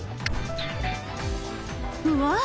うわ！